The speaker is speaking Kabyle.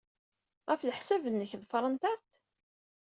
Ɣef leḥsab-nnek, ḍefrent-aɣ-d?